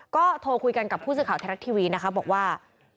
ก็โทรคุยกันกับผู้สื่อข่าวไทยรัฐทีวีนะคะบอกว่า